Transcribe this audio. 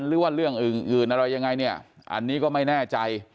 หรือว่าเรื่องอื่นอะไรยังไงเนี่ยอันนี้ก็ไม่แน่ใจ